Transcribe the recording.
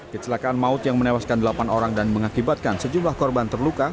kecelakaan maut yang menewaskan delapan orang dan mengakibatkan sejumlah korban terluka